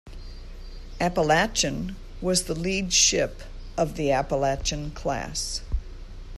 "Appalachian" was the lead ship of the "Appalachian" class.